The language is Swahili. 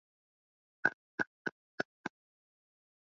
nchi za kiafrika na na ni tati ni tatizo kubwa kwa sababu